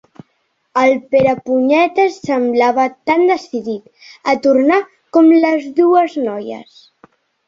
El Perepunyetes semblava tan decidit a tornar com les dues noies.